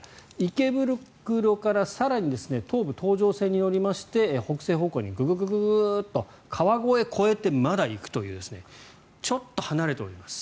池袋から更に東武東上線に乗りまして北西方向にググッと川越を越えてまだ行くというちょっと離れております。